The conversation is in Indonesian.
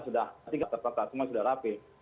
sudah tiga tertata semuanya sudah rapi